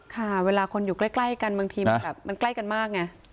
ค่ะเวลาคนอยู่ใกล้กันบางทีมันแบบมันใกล้กันมากไง